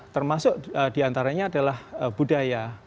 termasuk diantaranya adalah budaya